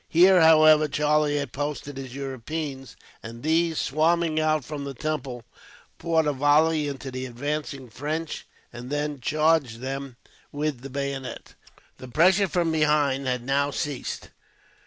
Here, however, Charlie had posted his Europeans, and these, swarming out from the temple, poured a volley into the advancing French, and then charged them with the bayonet. The pressure from behind had now ceased.